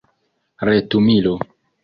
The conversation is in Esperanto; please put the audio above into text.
retumilo